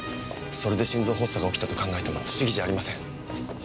それで心臓発作が起きたと考えても不思議じゃありません。